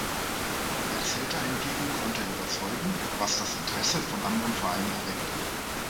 Bei Celta hingegen konnte er überzeugen, was das Interesse von anderen Vereinen erweckte.